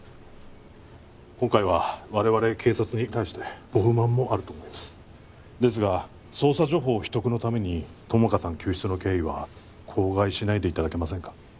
今回は我々警察に対してご不満もあると思いますですが捜査情報秘匿のために友果さん救出の経緯は口外しないでいただけませんか？